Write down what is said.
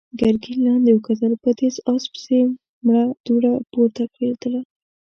ګرګين لاندې وکتل، په تېز آس پسې مړه دوړه پورته کېدله.